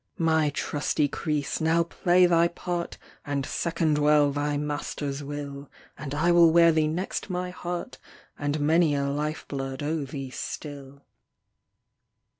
My trusty Krees now play thy part, And second well thy master's will ! And I will wear thee next my heart, And many a life blood owe thee still.